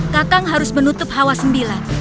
tatang harus menutup hawa sembilan